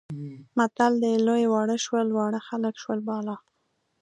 متل دی لوی واړه شول، واړه خلک شول بالا.